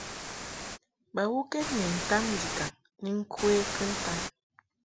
Bawukɛd ni ntam ndikaŋ ni ŋkwe kɨntan.